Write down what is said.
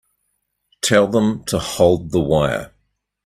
Tell them to hold the wire.